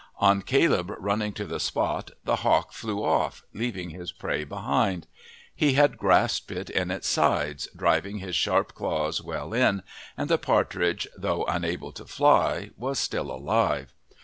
On Caleb running to the spot the hawk flew off, leaving his prey behind. He had grasped it in its sides, driving his sharp claws well in, and the partridge, though unable to fly, was still alive.